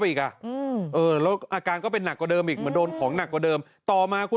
พระอาจารย์ออสบอกว่าอาการของคุณแป๋วผู้เสียหายคนนี้อาจจะเกิดจากหลายสิ่งประกอบกัน